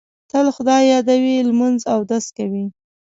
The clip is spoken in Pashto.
تل خدای یادوي، لمونځ اودس کوي.